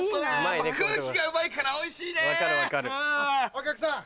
お客さん。